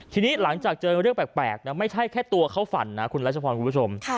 ทีนี้หลังจากเจอเรื่องแปลกนะไม่ใช่แค่ตัวเขาฝันนะคุณรัชพรคุณผู้ชม